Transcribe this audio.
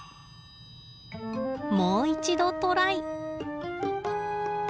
もう一度トライ。